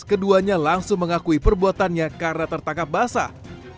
keduanya langsung mengakui perbuatannya karena tertangkap basah